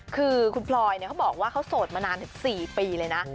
คือคุณพลอยเขาบอกว่าเขาโสดมานานถึง๔ปีเลยนะ